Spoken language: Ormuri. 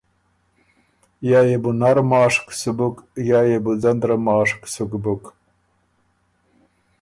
یا يې بو نر ماشک سُک بُک۔ یا يې بو ځندره ماشک سُک بُک